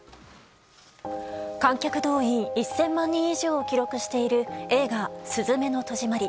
観客動員１０００万人以上を記録している映画「すずめの戸締まり」。